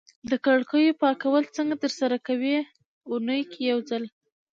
د کړکیو پاکول څنګه ترسره کوی؟ اونۍ کی یوځل